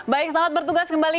baik selamat bertugas kembali